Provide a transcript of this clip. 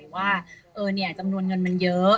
ว่าจำนวนเงินมันเยอะ